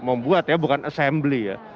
membuat ya bukan assembly ya